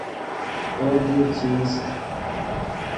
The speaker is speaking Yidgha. وو دیر چے ایست